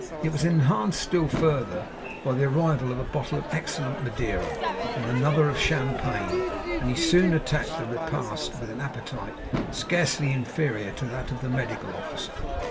It was enhanced still further by the arrival of a bottle of excellent madeira, and another of champagne; and he soon attacked the repast with an appetite scarcely inferior to that of the medical officer.